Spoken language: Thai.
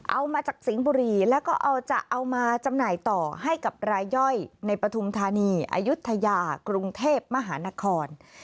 เอามาจากสิงห์บุรีแล้วก็จะเอามาจำหน่ายต่อให้กับรายย่อยในปฐุมธานีอายุทยากรุงเทพมหานคร